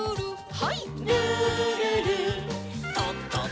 はい。